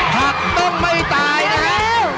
ผักต้องไม่ตายนะครับ